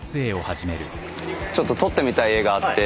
ちょっと撮ってみたい絵があって。